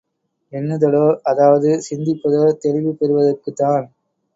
எண்ணுதலோ அதாவது சிந்திப்பதோ தெளிவு பெறுவதற்குத்தான்.